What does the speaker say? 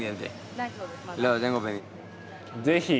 ぜひ！